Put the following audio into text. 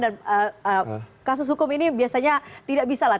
dan kasus hukum ini biasanya tidak bisa lah